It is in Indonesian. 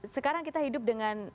sekarang kita hidup dengan